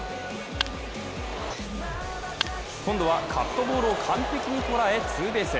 今度はカットボールを完璧に捉え、ツーベース。